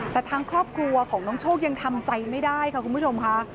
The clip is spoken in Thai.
แต่ทั้งครอบครัวของน้องโชคยังทำใจไม่ได้ค่ะ